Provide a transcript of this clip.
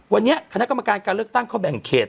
วันนี้คณะกรรมการการเลือกตั้งเขาแบ่งเขต